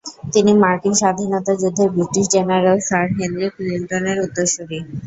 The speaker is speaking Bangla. তিনি মার্কিন স্বাধীনতা যুদ্ধের ব্রিটিশ জেনারেল স্যার হেনরি ক্লিনটনের উত্তরসূরী।